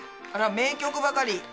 あら名曲ばかり。